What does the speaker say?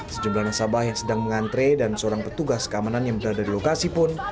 sejumlah nasabah yang sedang mengantre dan seorang petugas keamanan yang berada di lokasi pun